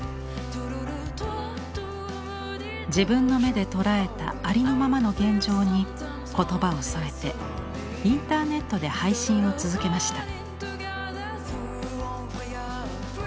自分の目で捉えたありのままの現状に言葉を添えてインターネットで配信を続けました。